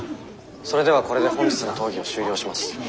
「それではこれで本日の討議を終了します」。